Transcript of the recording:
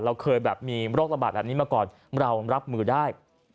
เราเคยแบบมีโรคระบาดแบบนี้มาก่อนเรารับมือได้